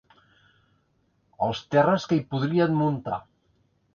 Els terres que hi podrien muntar.